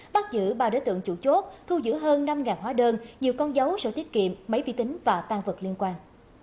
bắt giữ ba đối tượng chủ chốt thu giữ hơn năm hóa đơn nhiều con dấu sổ tiết kiệm máy vi tính và tan vật liên quan